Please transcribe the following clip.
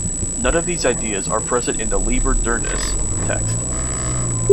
None of these ideas are present in the "Liber Diurnus" text.